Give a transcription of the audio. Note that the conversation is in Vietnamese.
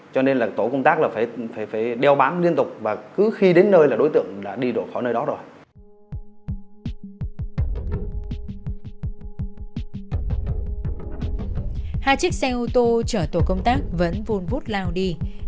cho nên là tổ công tác là phải đeo bán liên tục và cứ khi đến nơi là đối tượng đã đi đổi khỏi nơi đó rồi